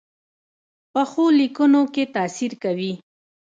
پخو لیکنو کې تاثیر وي